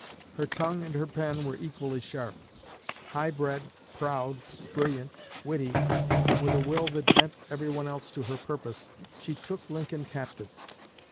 Her tongue and her pen were equally sharp. Highbred, proud, brilliant, witty, and with a will that bent every one else to her purpose, she took Lincoln captive.